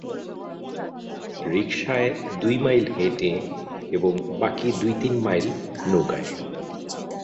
রিকশায়, দু-মাইল হেঁটে, এবং বাকি দু-তিন মাইল নৌকায়।